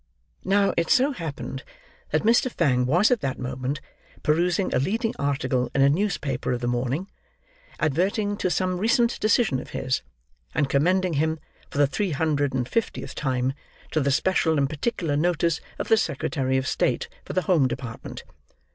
Now, it so happened that Mr. Fang was at that moment perusing a leading article in a newspaper of the morning, adverting to some recent decision of his, and commending him, for the three hundred and fiftieth time, to the special and particular notice of the Secretary of State for the Home Department.